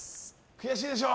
悔しいでしょ！